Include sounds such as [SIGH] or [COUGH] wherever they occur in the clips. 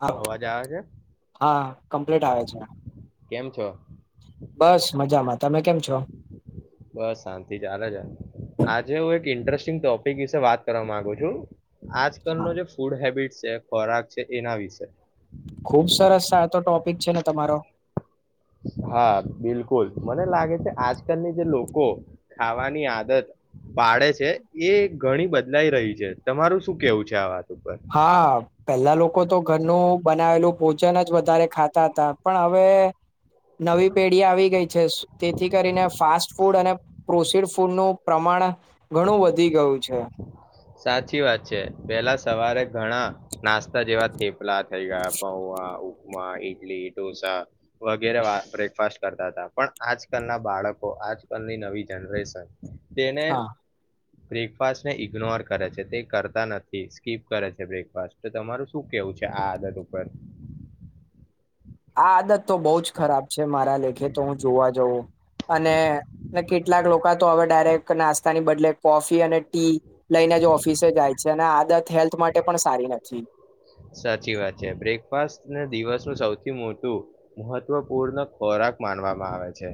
હાવ, અવાજ આવે છે હા કમ્પ્લીટ આવે છે. કેમ છો? બસ મજામાં. તમે કેમ છો બસ શાંતિ ચાલે છે. આજે હું એક ઇન્ટરેસ્ટિંગ ટોપિક વિશે વાત કરવા માંગુ છું. આજકાલ નો હા જે ફૂડ હેબિટ જે ખોરાક છે એના વિશે. ખુબ સરસ સાતો ટોપિક છે ને તમારો. હા બિલકુલ મને લાગે છે. આજકાલની જે લોકો ખાવાની આદત પાડે છે એ ઘણી બદલાઈ રહી છે. તમારું શું કેવું છે આ વાત ઉપર હા પહેલા લોકો તો ઘરનું બનાવેલું ભોજન જ વધારે ખાતા હતા પણ હવે નવી પેઢી આવી ગઈ છે. તેથી કરીને ફાસ્ટ ફૂડ અને પ્રોસીડ ફૂડ નું પ્રમાણ ઘણું વધી ગયું છે. સાચી વાત છે. પેલા સવારે ઘણા નાસ્તા જેવા થેપલા થઈ ગયા પૌવા, ઉપમા, ઈડલી, ઢોસા વગેરે બ્રેકફાસ કરતા હતા. પણ આજકાલ ના બાળકો આજકાલની નવી જનરેશન તેણે હા બ્રેકફાસ્ટ ઈગ્નોર કરે છે તે કરતા નથી સ્કીપ કરે છે બ્રેકફાસ્ટ. તો તમારું શું કેવું છે આ આદત ઉપર? આ આદત તો બવ જ ખરાબ છે મારી ના લેખે તો હું જોવા જઉં. અને કેટલાક લોકો તો હવે ડાયરેક્ટ નાસ્તા ની બદલે કોફી અને ટી લઈને જ ઓફિસે જાય છે અને આદત હેલ્થ માટે પણ સારી નથી. સાચી વાત છે. બ્રેકફાસ્ટને દિવસનું સૌથી મોટું મહત્વપૂર્ણ ખોરાક માનવામાં આવે છે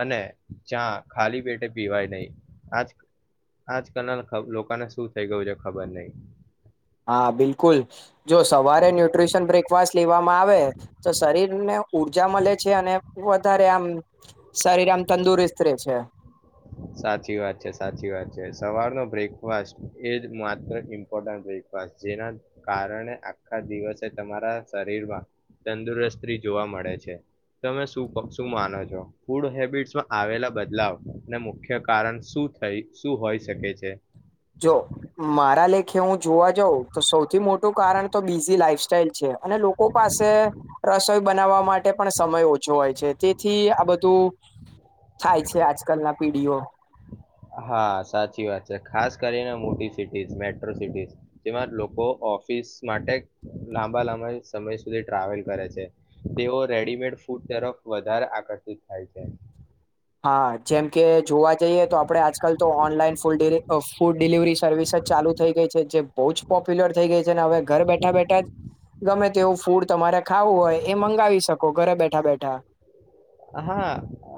અને ચા ખાલી પેટે પીવાય નહી આજ આજ કલ લોકોને શું થઈ ગયું છે ખબર નહી. હા બિલકુલ. જો સવારે ન્યુટ્રીશન બ્રેકફાસ્ટ લેવામાં આવે તો શરીર ને ઉર્જા મળે છે અને વ વધારે આમ શરીર આમ તંદુરસ્ત રહેે છે. સાચી વાત છે, સાચી વાત છે. સવારનો બ્રેકફાસ્ટ એ જ માત્ર ઇમ્પોર્ટન્ટ બ્રેકફાસ્ટ જેના કારણે આખા દિવસે તમારા શરીરમાં તંદુરસ્તી જોવા મળે છે. તમે શું પક્ષું માનો છો? ફૂડ હેબિટસમાં આવેલા બદલાવ ના મુખ્ય કારણ શું થઈ શું હોઈ શકે છે? જો મારા લેખે હું જોવા જઉં તો સૌથી મોટું કારણ તો બીઝ લાઈફ સાઈલ છે અને લોકો પાસે રસોઈ બનાવવા મા માટે પણ સમય ઓછો હોય છે. તેથી આ બધું થાય છે આજકાલ ના પીઢીઓ. હા સાચી વાત છે ખાસ કરીને મોટી સિટી મેટ્રો સિટી જેમાં લોકો ઓફિસ માટે લાંબા લાંબા સમય સુધી ટ્રાવેલ કરે છે તેઓ રેડીમેડ ફૂડ તરફ વધારે આકર્ષિત થાય છે. હા જેમકે જોવા જઈએ તો આપણે આજકાલ તો online food food delivery service જ ચાલુ થઈ ગઈ છે જે બહુ જ પોપ્યુલર થઈ ગઈ છે ને હવે. ઘર બેઠા બેઠા જ ગમે તેવું ફૂડ તમારે ખાવું હોય એ મંગાવી શકો ઘરે બેઠા બેઠા. હા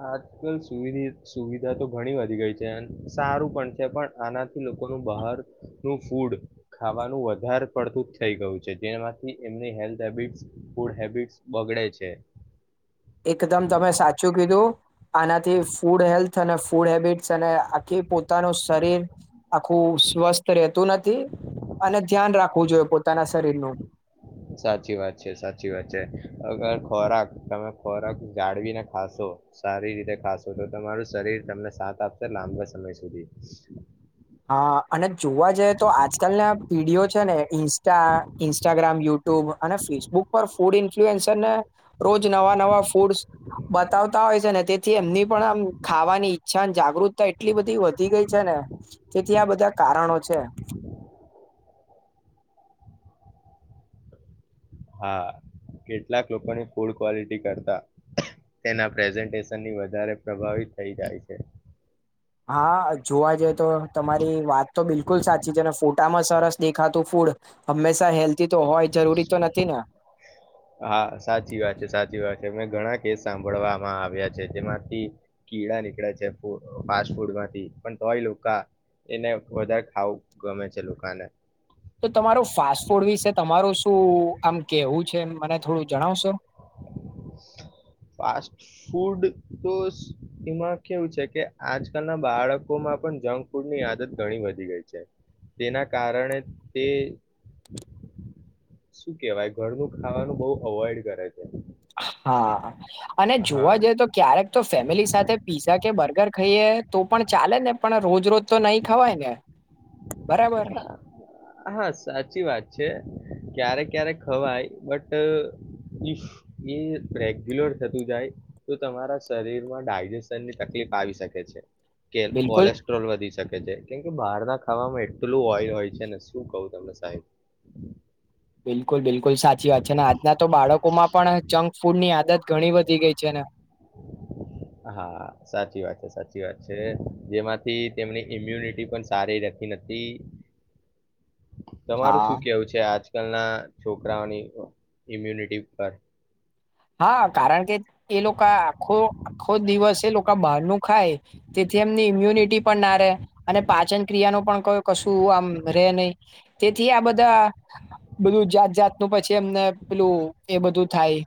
આજકાલ સુધ સુવિધા તો ઘણી વધી ગઈ છે સારું પણ છે પણ આનાથી લોકોનું બહારનું ફૂડ ખાવાનું વધારે પડતું જ થઈ ગયું છે જેમાંથી એમની હેલ્થ હેબિટસ ફૂડ હેબિટસ બગડે છે. એકદમ તમે સાચું કીધું. આનાથી ફૂડ હેલ્થ. અને ફૂડ હેબિટસ અને આખી પોતાનું શરીર આખું સ્વસ્થ રહેતું નથી અને ધ્યાન રાખવું જોઈએ પોતાના શરીરનું. સાચી વાત છે સાચી વાત છે અગર ખોરાક તમે ખોરાક જાળવીને ખાશો સારી રીતે ખાશો તો તમારું શરીર તમને સાથ આપશે લાંબા સમય સુધી. હા અને જોવા જઈએ તો આજકાલના પીઢીયો છે ને ઇન્સ્ટા ઇન્સ્ટાગ્રામ યુટ્યુબ અને ફેસબુક પર ફૂડ ઇન્ફ્લુએન્સરને રોજ નવા નવા ફૂડ બતાવતા હોય છે ને તેથી એમની પણ આમ ખાવાની ઈચ્છા જાગૃતતા એટલી બધી વધી ગઈ છે ને. તેથી આ બધા કારણો છે. હા કેટલાક લોકોની ફૂડ ક્વોલિટી કરતા તેના પ્રેઝન્ટેશનની વધારે પ્રભાવિત થઈ જાય છે. હા. જોવા જઈએ તો તમારી વાત તો બિલકુલ સાચી છે ફો ટામાં સરસ દેખાતું ફૂડ હંમેશા હેલ્ધી તો હોય જરૂરી તો નથી ને હા સાચી વાત છે સાચી વાત છે મે ઘણા કેસ સાંભળવામાં આવ્યા છે જેમાંથી કીડા નીકળે છે ફૂડ ફાસ્ટ ફૂડ માંથી પણ તોય લોકા એને વધારે ખાવું ગમે છે લોકાને તો તમારું ફાસ્ટ ફૂડ વિશે તમારું શું આમ કેવું છે એ મને થોડું જણાવશો ફાસ્ટ ફૂડ તો એમાં કેવું છે કે આજકાલના બાળકોમાં પણ જંક ફૂડની આદત ઘણી વધી ગઈ છે તેના કારણે તે શું કેવાય ઘરનું ખાવાનું બઉ અવોઈડ કરે છે હા અને હા જોવા જઈએ તો ક્યારેક તો ફેમિલી સાથે પીઝા કે બર્ગર ખઈએ તો પણ ચાલે ને પણ રોજ રોજ તો નહી ખવાય ને બરાબર હા હા સાચી વાત છે ક્યારેક ક્યારેક ખવાય બટ ઇફ એ રેગ્યુલર થતું જાય તો તમારા શરીરમાં ડાયજેશન ની તકલીફ આવી શકે છે કે બિલકુલ કોલેસ્ટ્રોલ વધી શકે વધે કેમ કે બહારના ખાવામાં કેટલું ઓઇલ હોય છે ને શું કવું તમને સાહેબ બિલકુલ બિલકુલ સાચી વાત છે ને આજના તો બાળકો માં પણ જંક ફૂડ ની આદત ઘણી વધી ગઈ છે ને હા સાચી વાત છે સાચી વાત છે જેમાંથી તેમની ઈમ્યુનિટી પણ સારી રહેતી નથી તમારું હા શું કેવું છે આજ આજકાલના છોકરાઓની ઇમ્યુનિટી પર હા કારણ કે એ લોકા આખો આખો દિવસ એ લોકા બહારનું ખાય તેથી એમની ઈમ્યુનિટી પણ ના રહે અને પાચન ક્રિયા ન પણ કશું આમ રે નહી તેથી આ બધા બધું જાત જાતનું પછી એમને પેલું એ બધું થાય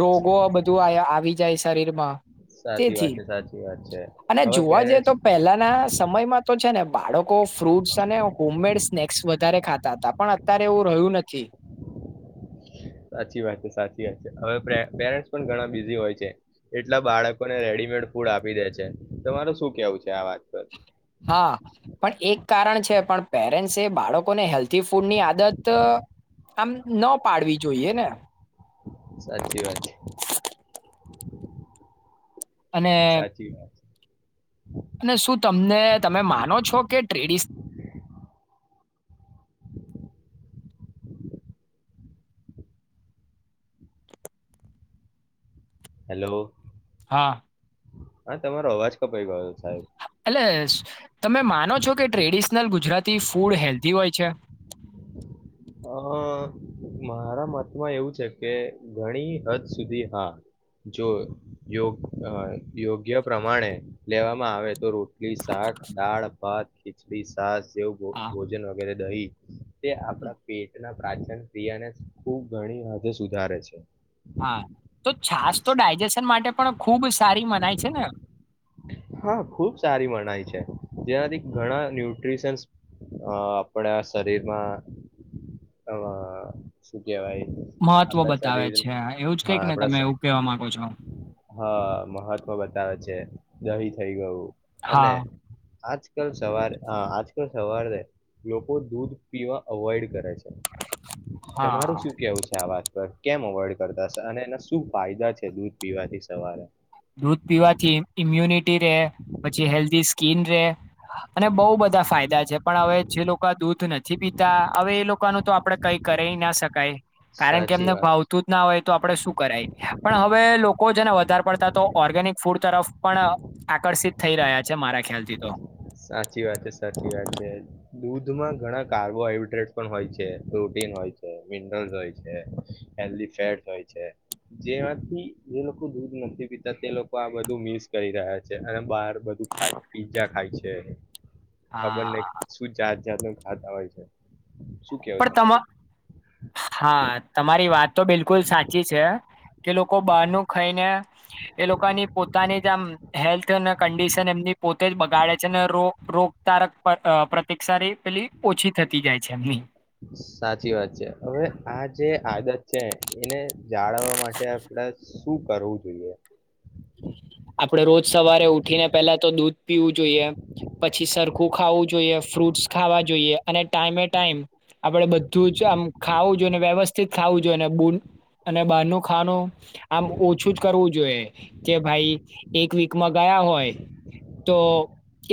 રોગો બધું આયા આ વિજય શરીરમાં સાચી વાત તેથી છે સાચી વાત છે અને હવે જોવા જઈએ પેરેન્ટ્સ તો પહેલાના સમયમાં તો છે ને પાડો લોકો ફ્રૂટ્સ અને હોમમેડ સ્નેક્સ વધારે ખાતા તા તા. પણ અત્યારે એવું રહ્યું નથી. સાચી વાત છે. સાચી વાત છે. હવે પે પેરેન્ટસ પણ ઘણા બિઝી હોય છે. એટલા બાળકોને રેડીમેડ ફૂડ આપી દે છે. તમારુ શું કેવું છે આ વાત પર. હા પણ એક કારણ છે. પણ પેરેન્ટ્સે એ બાળકોને હેલ્થી ફૂડની આદત આમ ન પાડવી જોઈએ ને. સાચી વાત છે અને સાચી વાત. અને શું તમને તમે માનો છો કે ટ્રેડિસ હેલો. હા. હન તમારો અવાજ કપાઈ ગયો સાહેબ એટલે તમે માનો છો કે ટ્રેડિશનલ ગુજરાતી ફૂડ હેલ્ધી હોય છે? અ મારા મતમાં એવું છે કે ઘણી હદ સુધી હા. જો યોગ અ યોગ્ય પ્રમાણે લેવામાં આવે તો રોટલી, શાક, દાળ-ભાત, ખીચડી, સાસ જેવુ ભો હા ભોજન વગેરે દહી તે હમ, આપડા પડા પાચન ક્રિયાને ખુબ ઘણી હદે સુધારે છે. હા, તો છાસ તો ડાયજેશન માટે પણ ખુબ સારી મનાય છે ને. હા ખુબ સારી મનાય છે. જેનાથી ઘણા ન્યુટ્રીશનસ આપડા શરીરમાં શું કેહેવાય મહત્વ આપણા બતાવે શરીર છે. એવું જ હા કઈક ને આપણા તમે સ- એવું કહેવા માંગો છો હા મહત્વ બતાવે છે. જવી થઈ ગવુ. અને હા આજ કલ સવારે અ આજકલ સવારે લોકો દૂધ પીવા અવોઈડ કરે છે. હા તમારું શું કેવું છે આ વાત પર. કેમ અવોઈડ કરતા શે અને એના શું ફાયદા છે દૂધ પીવાથી સવારે. દૂધ પીવાથી ઇમ્યુનિ ટી રે. પછી હેલ્ધી સ્કીન રે. અને બઉ બધા ફાયદા છે. પણ હવે જે લોકા દૂધ નથી પીતા. હવે એ લોકાનું તો આપડે કઈ કરી ના શકાય. કારણ કે સાચી એમને વાત ભાવતું જ ના હોય તો આપડે શું કરાય. પણ હવે લોકો છે ને તાર પડ તા તો ઓર્ગેનિક ફૂડ તરફ પણ આકર્ષિત થઈ રહ્યા છે. મારા ખ્યાલથી તો. સાચી વાત છે. સાચી વાત છે. દૂધમાં ઘણા કાર્બોહાઈડ્રેટ પણ હોય છે, પ્રોટીન હોય છે, મિનરલસ હોય છે, હેલ્ધ ફેટ હોય છે, જેમાંથી જે લોકો દૂધ નથી પીતા તે લોકો આ બધું મિસ કરી રહ્યા છે. અને બાર બધું ખાય પીજા ખાય છે. એ. ખબર નઈ હા શું જાત-જાતનું રાત આવેય છે. શું કેવું પણ તમા તમારું હા. તમારી વાત તો બિલકુલ સાચી છે, કે લોકો બહારનું ખાઈને એ લોકોની પોતાની જ આમ હેલ્થ અને કંડિશન એમની પોતે જ બગાડે છે, ને રો રોગ તારક પ્રતિકષાથી પેલી ઓછી થતી જાય છે એમની. સાચી વાત છે હવે આ જે આદત. છે એને જાળવવા માટે આપડા. શું કરવું જોઈએ? આપણેે રોજ સવારે ઉઠીને પેલા તો દૂધ પીવું જોઈએ, પછી સરખું ખાવું જોઈએ ફ્રૂટસ ખાવા જોઈએ, અને ટાઈમે ટાઈમ. આપડે બધું છે આમ ખાવું. વ્યવસ્થિત ખાવું જોઈએ અને બહારનું ખાનું આમ ઓછું જ કરવું જોઈએ કે ભાઈ. એક વીકમાં ગયા હોય તો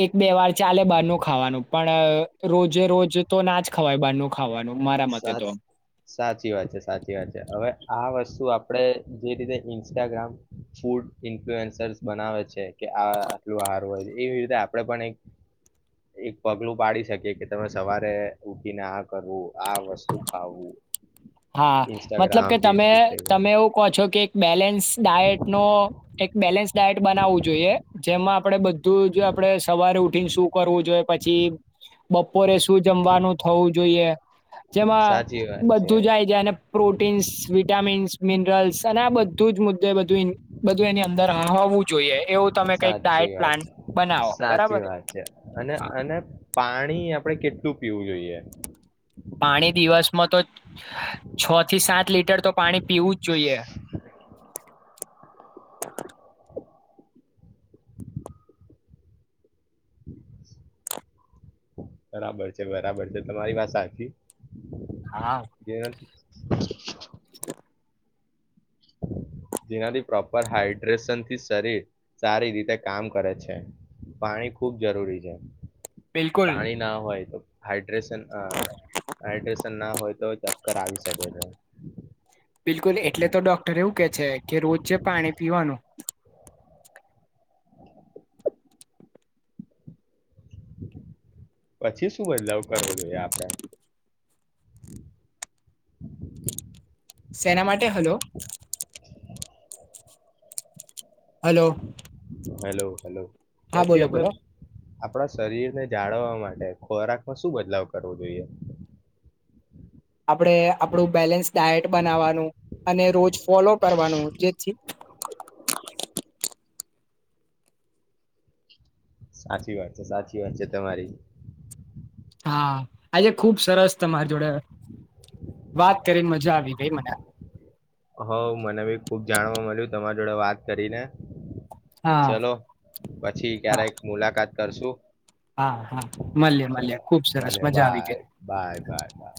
એક બે વાર ચાલે બનું ખાવાનું પણ રોજે રોજ તો ના જ ખાવાય બનું. સા સાચી વાત છે સાચી વાત છે હવે આ વસ્તુ. આપડે જે રીતે ઇન્સ્ટાગ્રામ ફૂડ ઇન્ફ્લુએન્સર્ બનાવે છે. કે આ આટલું આહાર હોય. એવી રીતે આપડણે પણ એક એક પગલું પાડી શકીએ કે તમે સવારે ઉઠીને આ કરવું. આ વસ્તુ ખાવું. હા, મતલબ કે ઇન્સ્ટાગ્રામ તમે ફેસબુક થઈ ગયું તમે એવું કહો છો કે એક બેલેન્સ ડાયટ નો એક બેલેન્સ ડાયટ બનાવું જોઈએ. જોઈએ જેમાં આપડે બધું આપણે સવારે ઉઠીને શું કરવું જોઈએ, પછી બપોરે શું જમવાનું થવું જોઈએ. જેમાં સાચી વાત છે. બધું જાય જાયને પ્રોટીન્સ વિટામિન્સ મિનરલ્સ અને આ બધું જ મુદ્દે બધું બધું એની અંદર હોવું જોઈએ, એવું. તમે કંઈક સાચી ડાયટ વાત પ્લાન છે, બનાવો બરાબર. સાચી વાત છે અને હા, અને પાણી આપણેે કેટલું પીવું જોઈએ? પાણી દિવસ મ તો, છ થી સાત લીટર તો પાણી પીવું જ જોઈએ. બરાબર છે બરાબર છે તમારી વાત સાચી, હા. જેનાથી [UNINTELLIGIBLE] જેનાથી પ્રોપર હાઈડ્રેશનથી શરીર, સારી રીતે કામ કરે છે, પાણી ખૂબ જરૂરી છે. બિલકુલ. પાણી ના હોય તો હાઈડ્રેશન હ હાઈડ્રેશન ના હોય તો ચક્કર આવી શકે છે. બિલકુલ એટલે તો ડોક્ટર એવું કે છે કે રોજ છે પાણી પીવાનું. પછી શું બદલાવ કરવો જોઈએ આપણે? સેના માટે હલો? હલો. Hello hello. હા પછી બોલો આપડે બોલો આપણા શરીર ને જાળવવા માટે ખોરાક માં શું બદલાવ કરવો જોઈએ? આપણેે આપડું બેલેન્સ ડાયટ બનાવાનું અને રોજ ફોલો કરવાનું જેથી સાચી વાત છે સાચી વાત છે તમારી. હા, આજે ખુબ સરસ તમારી જોડે વાત કરીને મજા આવી ગઈ મને. હઉ મને બી ખુબ જાણવા મળ્યું તમારી જોડે વાત કરી ને હા ચલો પછી હા ક્યારેક મુલાકાત કરશું. હા હા મલ્યે ચલો મળ્યે ખુબ સરસ મળીએ મજા આવી બાય ગઈ. Bye bye by